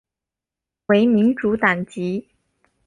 为民主党籍。